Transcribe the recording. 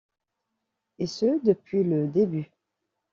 et ce depuis le d'ebut.